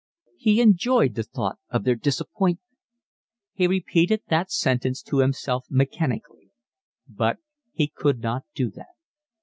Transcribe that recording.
He enjoyed the thought of their disappointment. He repeated that sentence to himself mechanically. But he could not do that.